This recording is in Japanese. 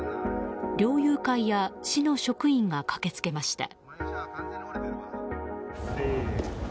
猟友会や市の職員が駆けつけました。